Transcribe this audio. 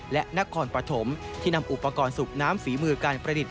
และนครปฐมที่นำอุปกรณ์สูบน้ำฝีมือการประดิษฐ